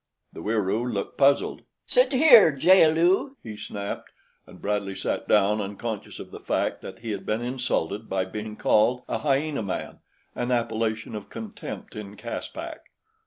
The Wieroo looked puzzled. "Sit here, jaal lu," he snapped, and Bradley sat down unconscious of the fact that he had been insulted by being called a hyena man, an appellation of contempt in Caspak.